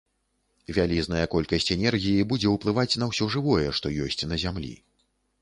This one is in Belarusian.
Вялізная колькасць энергіі будзе ўплываць на ўсё жывое, што ёсць на зямлі.